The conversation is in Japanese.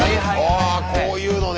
あこういうのね。